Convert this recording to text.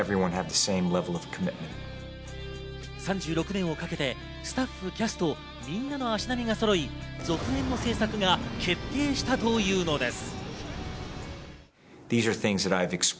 ３６年をかけてスタッフ、キャスト、みんなの足並みがそろい、続編の製作が決定したというのです。